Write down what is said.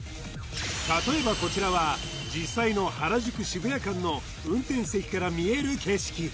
例えばこちらは実際の原宿・渋谷間の運転席から見える景色